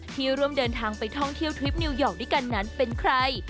ที่ร่วมเดินทางไปท่องเที่ยวทริปนิวยอร์กด้วยกันนั้นเป็นใคร